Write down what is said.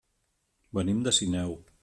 Venim de Sineu.